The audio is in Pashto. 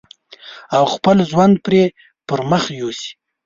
او خپل ژوند پرې پرمخ يوسي.